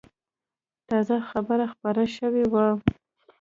تازه خبر خپور شوی و.